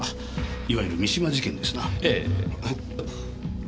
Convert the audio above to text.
いわゆる三島事件ですな。